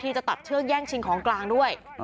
จะตัดเชือกแย่งชิงของกลางด้วย